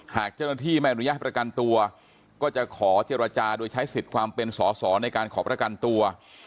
หากเจ้าหน้าที่ไม่อนุญาตให้ประกันตัวก็จะขอเจรจาโดยใช้สิทธิ์ความเป็นสอสอในการขอประกันตัว